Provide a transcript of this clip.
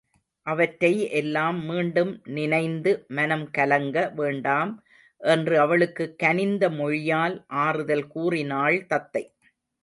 அவற்றை எல்லாம் மீண்டும் நினைந்து மனம் கலங்க வேண்டாம் என்று அவளுக்குக் கனிந்த மொழியால் ஆறுதல் கூறினாள் தத்தை.